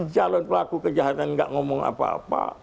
jalur pelaku kejahatan tidak ngomong apa apa